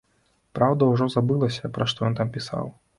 Праўда, ужо забылася, пра што ён там пісаў.